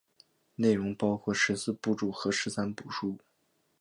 内容包括十四部注和十三部疏。